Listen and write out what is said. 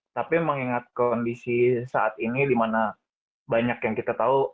tapi mengingat kondisi saat ini dimana banyak yang kita tahu